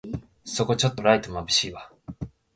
そこちょっとライトまぶしいわ